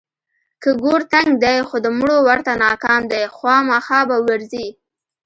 که ګور تنګ دی خو د مړو ورته ناکام دی، خوامخا به ورځي.